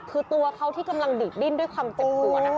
คือตัวเขาที่กำลังดีดดิ้นด้วยความเจ็บปวดนะคะ